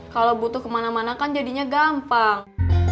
kalau butuh kemana mana kan jadinya gampang